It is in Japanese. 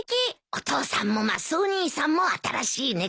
お父さんもマスオ兄さんも新しいネクタイ。